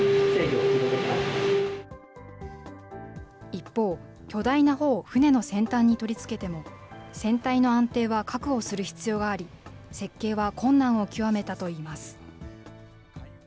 一方、巨大な帆を船の先端に取り付けても、船体の安定は確保する必要があり、設計は困難を極めたといいます。